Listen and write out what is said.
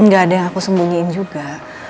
gak ada yang aku sembunyiin juga